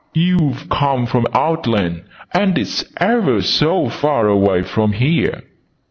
Oo've come from Outland! And it's ever so far away from here!"